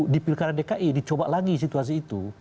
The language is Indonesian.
di pilkada dki dicoba lagi situasi itu